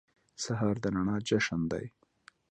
سهار د رڼا جشن دی.